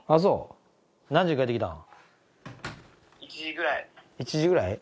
１時に帰ってきたん？